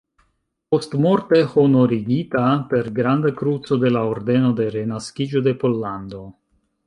Postmorte honorigita per Granda Kruco de la Ordeno de Renaskiĝo de Pollando.